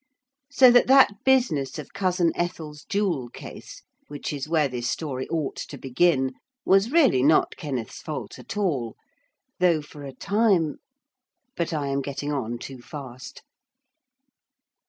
So that that business of cousin Ethel's jewel case, which is where this story ought to begin, was really not Kenneth's fault at all. Though for a time.... But I am getting on too fast.